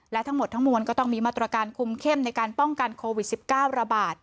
และทั้งหมดทั้งมวลก็ต้องมีมาตรการคุมเข้มในการป้องกันโควิด๑๙ระบาด